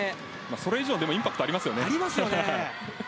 それ以上にインパクトがありますよね。